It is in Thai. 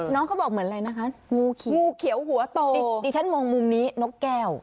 เขาบอกเหมือนอะไรนะคะงูเขียวหัวโตดิฉันมองมุมนี้นกแก้ว